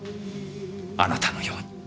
あなたのように。